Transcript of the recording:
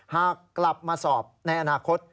หากกลับมาสอบในอนาคต